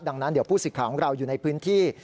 ดังนั้นเดี๋ยวผู้สิทธิ์ของเราอยู่ในพื้นที่